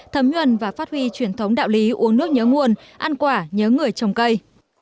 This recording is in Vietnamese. thấm nhuần và phát huy truyền thống đạo lý uống nước nhớ nguồn ăn quả nhớ người trồng cây